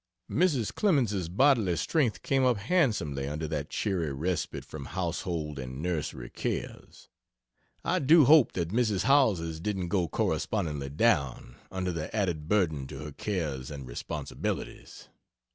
Mrs. Clemens's bodily strength came up handsomely under that cheery respite from household and nursery cares. I do hope that Mrs. Howells's didn't go correspondingly down, under the added burden to her cares and responsibilities.